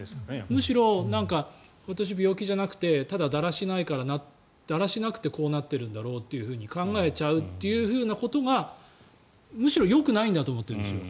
むしろ私、病気じゃなくてだらしないからだらしなくてこうなっているんだろうと考えちゃうということがむしろよくないんだと思ってるんですよ。